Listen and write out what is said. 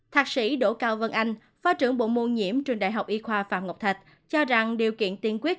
thạc sĩ đỗ cao vân anh phó trưởng bộ môn nhiễm trường đại học y khoa phạm ngọc thạch cho rằng điều kiện tiên quyết